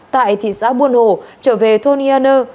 tại thị xã buôn hồ trở về thôn ea nu